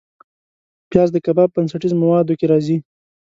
پیاز د کباب بنسټیز موادو کې راځي